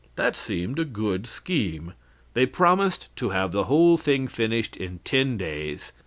That seemed a good scheme. They promised to have the whole thing finished in ten days.